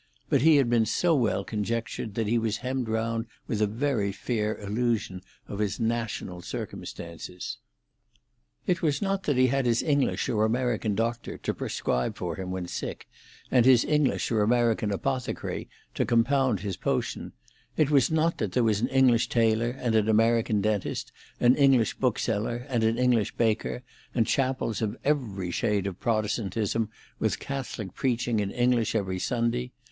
But he had been so well conjectured that he was hemmed round with a very fair illusion of his national circumstances. It was not that he had his English or American doctor to prescribe for him when sick, and his English or American apothecary to compound his potion; it was not that there was an English tailor and an American dentist, an English bookseller and an English baker, and chapels of every shade of Protestantism, with Catholic preaching in English every Sunday.